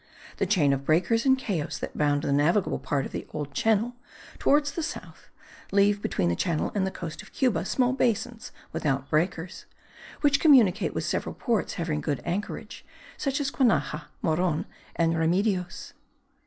The chain of breakers and cayos that bound the navigable part of the Old Channel towards the south leave between the channel and the coast of Cuba small basins without breakers, which communicate with several ports having good anchorage, such as Guanaja, Moron and Remedios.